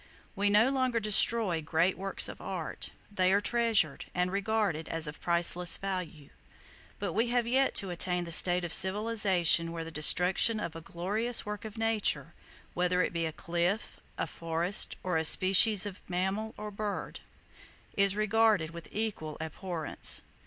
We no longer destroy great works of art. They are treasured, and regarded as of priceless value; but we have yet to attain the state of civilization where the destruction of a glorious work of Nature, whether it be a cliff, a forest, or a species of mammal or bird, is regarded with equal abhorrence.